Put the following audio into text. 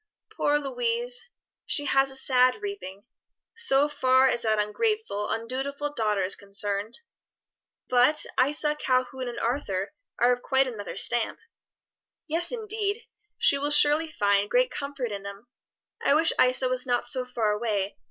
"Poor Louise! she has a sad reaping so far as that ungrateful, undutiful daughter is concerned; but Isa, Calhoun, and Arthur are of quite another stamp." "Yes, indeed! she will surely find great comfort in them. I wish Isa was not so far away.